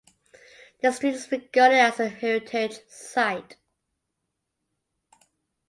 The Street is regarded as a heritage site.